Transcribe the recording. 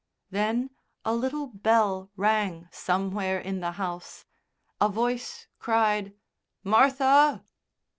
Then a little bell rang somewhere in the house, a voice cried "Martha!"